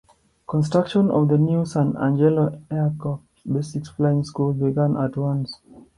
Construction of the new San Angelo Air Corps Basic Flying School began at once.